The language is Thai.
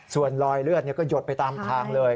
ส่วนรอยเลือดก็หยดไปตามทางเลย